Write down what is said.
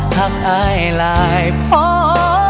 หักอายลายเว้า